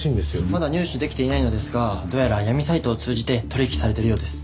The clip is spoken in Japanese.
まだ入手できていないのですがどうやら闇サイトを通じて取引されているようです。